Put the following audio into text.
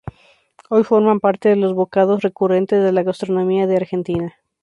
Hoy forman parte de los bocados recurrentes de la gastronomía de Argentina.